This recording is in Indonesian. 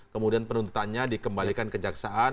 kemudian penuntutannya dikembalikan kejaksaan